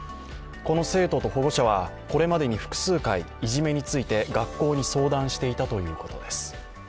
この生徒と保護者は、これまでに複数回、いじめについて学校に相談していたということです。